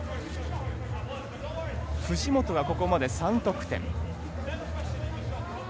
藤本がここまで３得点。